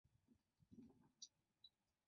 出站后只有热水